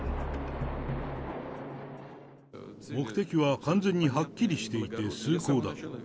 目的は、完全にはっきりしていて、崇高だ。